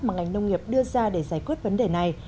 mà ngành nông nghiệp đưa ra để giải quyết vấn đề này